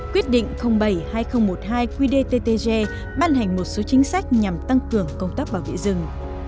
quyết định bảy hai nghìn một mươi hai qdttg ban hành một số chính sách nhằm tăng cường công tác bảo vệ rừng